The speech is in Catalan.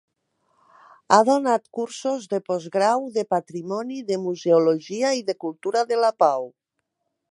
Ha donat cursos de postgrau de patrimoni, de museologia i de cultura de la pau.